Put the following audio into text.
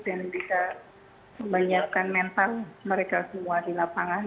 dan bisa menyiapkan mental mereka semua di lapangan